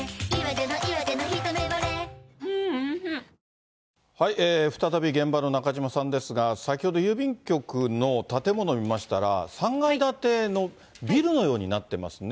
疱疹再び現場の中島さんですが、先ほど郵便局の建物見ましたら、３階建てのビルのようになってますね。